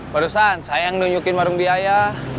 barusan saya yang nunjukin warung biaya